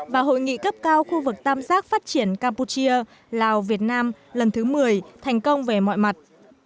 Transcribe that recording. và hội nghị cấp cao khu vực tam giác phát triển campuchia lào việt nam lần thứ một mươi thành công về mọi mặt